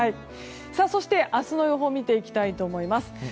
そして、明日の予報を見ていきたいと思います。